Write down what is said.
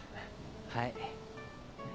はい。